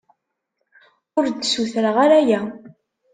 Ur d-ssutreɣ ara aya.